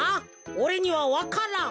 おれにはわからん。